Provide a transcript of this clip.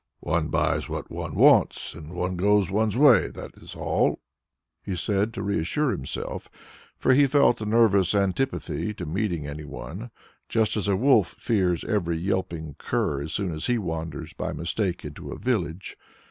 "One buys what one wants, and goes one's way, that is all," he said to re assure himself, for he felt a nervous antipathy to meeting any one, just as a wolf fears every yelping cur as soon as he wanders by mistake into a village.